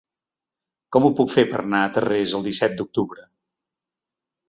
Com ho puc fer per anar a Tarrés el disset d'octubre?